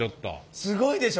すごいでしょ？